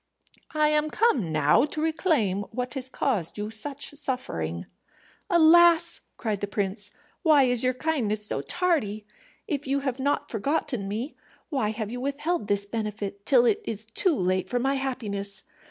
I am come now to reclaim what has caused you such suffering." "Alas!" cried the prince, "why is your kindness so tardy? If you have not forgotten me, why have you withheld this benefit till it is too late for my happiness?